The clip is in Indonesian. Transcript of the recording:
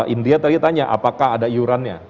india tadi tanya apakah ada iurannya